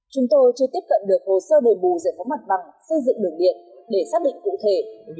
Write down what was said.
chúng tôi chưa tiếp cận được hồ sơ đề bù giải phóng mặt bằng xây dựng đường điện để xác định cụ thể